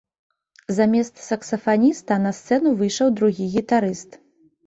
Замест саксафаніста на сцэну выйшаў другі гітарыст.